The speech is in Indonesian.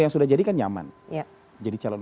yang sudah jadi kan nyaman jadi calon